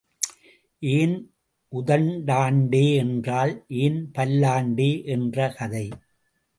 ஏன் உதட்டாண்டே என்றால் ஏன் பல்லாண்டே என்ற கதை.